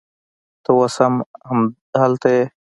ته اوس هم هلته ځې